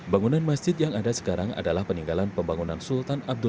bangunan masjid yang ada sekarang adalah peninggalan pembangunan sultan abdul